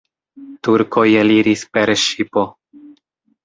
Turkoj eliris per ŝipo.